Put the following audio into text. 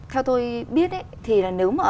theo tôi biết thì nếu mà